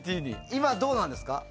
今、どうなんですか？